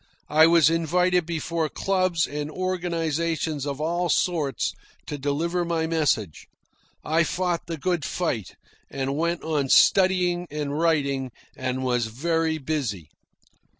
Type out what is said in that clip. I was invited before clubs and organisations of all sorts to deliver my message. I fought the good fight, and went on studying and writing, and was very busy.